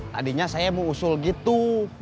tadinya saya mau usul gitu